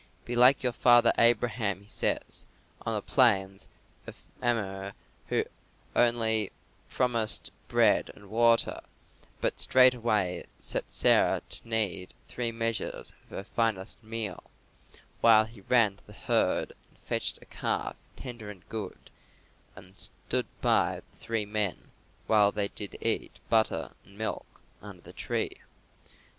"Be like your father Abraham," he says, "on the plains of Mamre, who only promised bread and water, but straightway set Sarah to knead three measures of her finest meal, while he ran to the herd and fetched a calf tender and good, and stood by the three men while they did eat butter and milk under the tree.